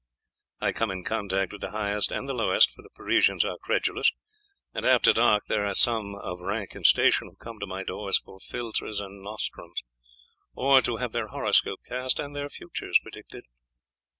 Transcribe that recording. I come in contact with the highest and the lowest, for the Parisians are credulous, and after dark there are some of rank and station who come to my doors for filtres and nostrums, or to have their horoscope cast and their futures predicted.